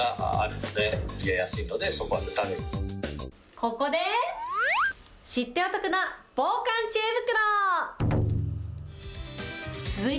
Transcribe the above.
ここで、知ってお得な防寒知恵袋。